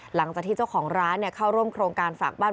หลังจากที่เจ้าของร้านเข้าร่วมโครงการฝากบ้าน